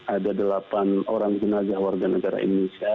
ada delapan orang tenaga warga negara indonesia